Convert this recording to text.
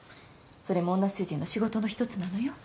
それも女主人の仕事の一つなのよ。